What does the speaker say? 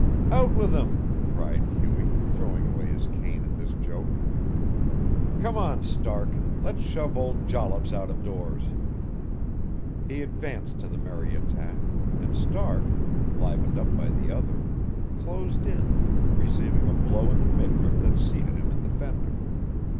"Out with him," cried Hughie, throwing away his cane at this joke. "Come on, Stark, let's shove old Jollops out of doors." He advanced to the merry attack, and Stark, livened up by the other, closed in, receiving a blow on the midriff that seated him in the fender.